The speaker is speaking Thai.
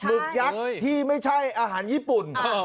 ึกยักษ์ที่ไม่ใช่อาหารญี่ปุ่น